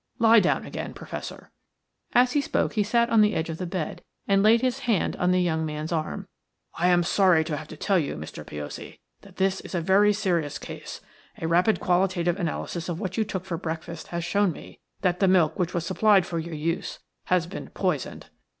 Lie down again, Professor." As he spoke he sat on the edge of the bed and laid his hand on the young man's arm. "I am sorry to have to tell you, Mr. Piozzi, that this is a very serious case. A rapid qualitative analysis of what you took for breakfast has shown me that the milk which was supplied for your use has been poisoned.